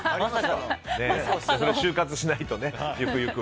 終活しないとね。